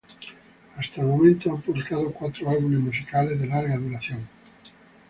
Hasta el momento han publicado cuatro álbumes musicales de larga duración.